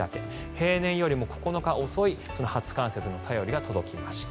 平年よりも９日遅い初冠雪の便りが届きました。